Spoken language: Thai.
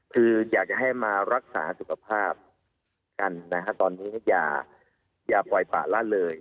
คืออยากจะให้มารักษาสุขภาพกันนะฮะตอนนี้อย่าปล่อยป่าละเลย